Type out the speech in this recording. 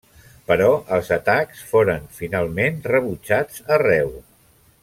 Però els atacs foren finalment rebutjats arreu.